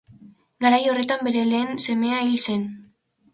Garai horretan bere lehen semea hil zen.